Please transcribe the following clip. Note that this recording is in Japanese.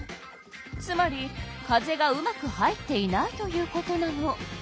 つまり風がうまく入っていないということなの。